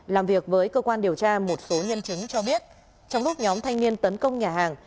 làm việc với cơ quan điều tra một số nhân chứng cho biết trong lúc nhóm thanh niên tấn công nhà hàng